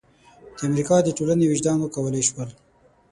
د امریکا د ټولنې وجدان وکولای شول.